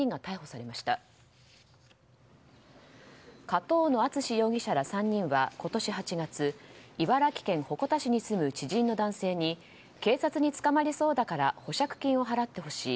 上遠野篤史容疑者ら３人は今年８月茨城県鉾田市に住む知人の男性に警察に捕まりそうだから保釈金を払ってほしい。